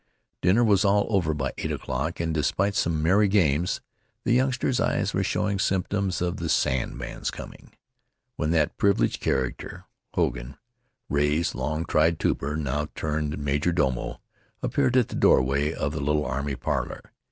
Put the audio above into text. Dinner was all over by eight o'clock, and, despite some merry games, the youngsters' eyes were showing symptoms of the sandman's coming, when that privileged character, Hogan, Ray's long tried trooper now turned major domo, appeared at the doorway of the little army parlor.